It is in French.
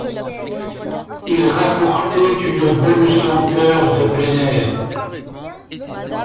Ils rapportaient une bonne senteur de plein air.